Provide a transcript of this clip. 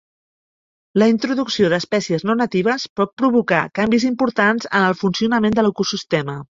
La introducció d'espècies no natives pot provocar canvis importants en el funcionament de l'ecosistema.